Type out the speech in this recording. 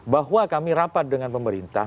bahwa kami rapat dengan pemerintah